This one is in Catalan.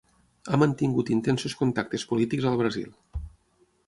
Ha mantingut intensos contactes polítics al Brasil.